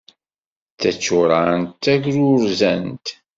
D taččurant d tagrurzant.